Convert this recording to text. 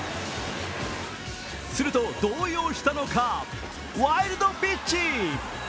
すると動揺したのか、ワイルドピッチ。